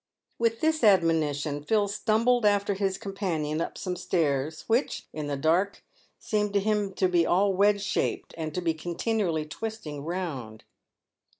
With this admonition, Phil stumbled after his companion up some stairs, which, in the dark, seemed to him to be all wedge shaped, and to be continually twisting round.